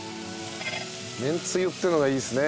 めんつゆっていうのがいいですね。